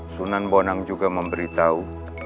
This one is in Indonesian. sunan bonang juga memberitahu